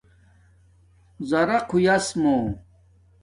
زراق ہویاس مُو